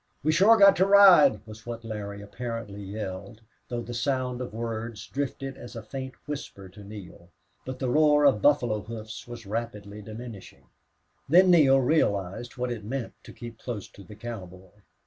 "We shore got to ride!" was what Larry apparently yelled, though the sound of words drifted as a faint whisper to Neale. But the roar of buffalo hoofs was rapidly diminishing. Then Neale realized what it meant to keep close to the cowboy.